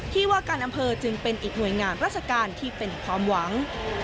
ที่ว่าการอำเภอจึงเป็นอีกหน่วยงานราชการที่เป็นความหวัง